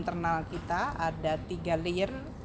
terlebih dahulu kelima bertdt